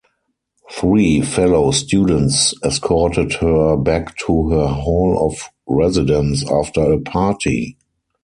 Three fellow students escorted her back to her hall of residence after a party.